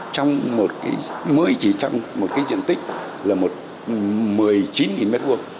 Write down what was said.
trong một cái mới chỉ trong một cái diện tích là một một mươi chín m hai